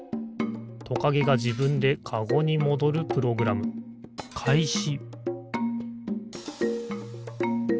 トカゲがじぶんでカゴにもどるプログラムかいし！